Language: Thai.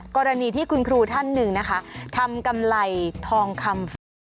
กรณีที่คุณครูท่านหนึ่งนะคะทำกำไรทองคำฟรี